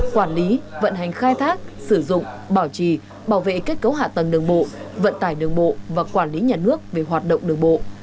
quản lý vận hành khai thác sử dụng bảo trì bảo vệ kết cấu hạ tầng đường bộ vận tải đường bộ và quản lý nhà nước về hoạt động đường bộ